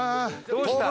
どうした？